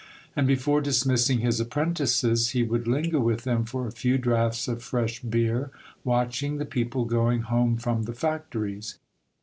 And before dismissing his apprentices, he would linger with them for a few draughts of fresh beer, watching the people going home from the factories.